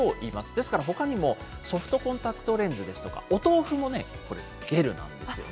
ですからほかにも、ソフトコンタクトレンズですとか、お豆腐もね、これ、ゲルなんですよね。